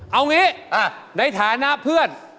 เอางี้ในฐานะเพื่อน